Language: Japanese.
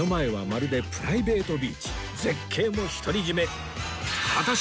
絶景も独り占め